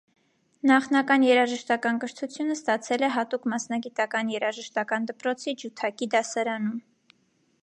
Նախնական երաժշտական կրթությունն ստացել է հատուկ մասնագիտական երաժշտական դպրոցի ջութակի դասարանում։